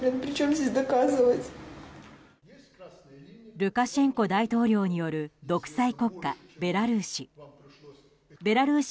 ルカシェンコ大統領による独裁国家、ベラルーシ。